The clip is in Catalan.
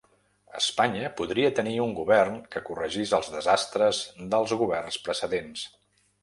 Espanya podria tenir un govern que corregís els desastres dels governs precedents.